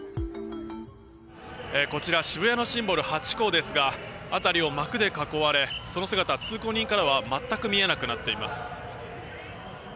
こちら、渋谷のシンボルハチ公ですが辺りを幕で覆われ、その姿通行人からは見えないようになっています。